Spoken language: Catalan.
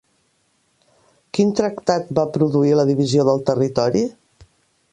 Quin tractat va produir la divisió del territori?